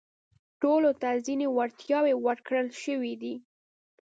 ټولو ته ځينې وړتياوې ورکړل شوي دي.